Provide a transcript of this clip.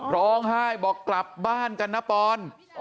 ร้องไห้บอกกลับบ้านกันนะปอน